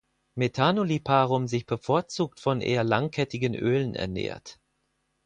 Methanoliparum sich bevorzugt von eher langkettigen Ölen ernährt.